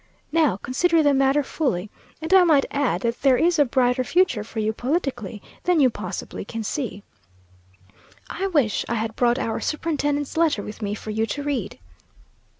Now consider the matter fully, and I might add that there is a brighter future for you politically than you possibly can see. I wish I had brought our superintendent's letter with me for you to read.